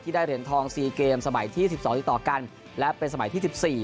ที่ได้เหรียญทองสี่เกมสมัยที่สิบสองที่ต่อกันและเป็นสมัยที่สิบสี่